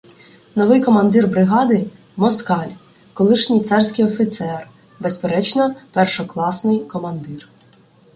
Новий командир бригади — москаль, колишній царський офіцер, безперечно, першокласний командир.